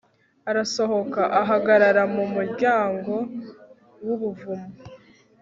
arasohoka ahagarara mu muryango wubuvumo